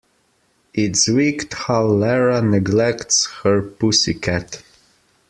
It's wicked how Lara neglects her pussy cat.